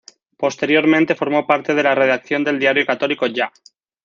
Posteriormente formó parte de la redacción del diario católico "Ya".